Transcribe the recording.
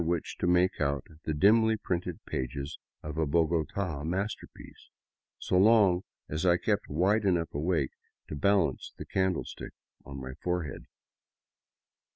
which to make out the dimly printed pages of a Bogota masterpiece — so long as I kept wide enough awake to balance the candlestick on my forehead.